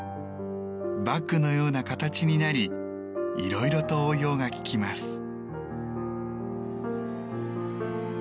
バッグのような形になりいろいろと応用がききます。